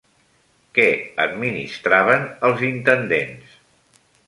Què administraven els intendents?